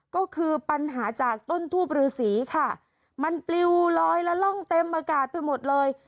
ก็คือปัญหาจากต้นทูบรือสีค่ะมันปลิวลอยละล่องเต็มอากาศไปหมดเลย